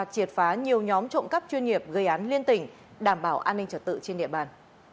triệt phá nhiều nhóm trộm cắp chuyên nghiệp gây án liên tỉnh đảm bảo an ninh trật tự trên địa bàn